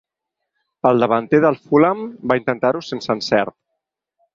El davanter del Fulham va intentar-ho sense encert.